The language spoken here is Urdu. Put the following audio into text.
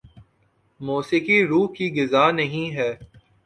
موسیقی روح کی غذا نہیں ہے